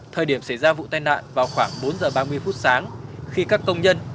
thời điểm xảy ra vụ tai nạn vào khoảng bốn giờ ba mươi phút sáng khi các công nhân